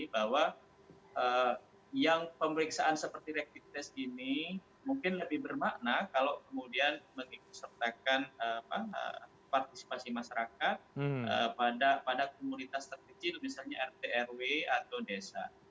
bahwa yang pemeriksaan seperti rapid test ini mungkin lebih bermakna kalau kemudian mengikut sertakan partisipasi masyarakat pada komunitas terkecil misalnya rt rw atau desa